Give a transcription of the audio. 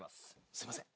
すいません。